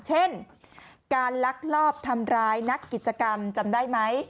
เช่นการลักลอบทำร้ายนักกิจกรรมจำได้ไหม